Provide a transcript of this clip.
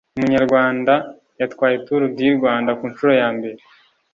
umunyarwanda yatwaye tour du Rwanda kunshuro yambere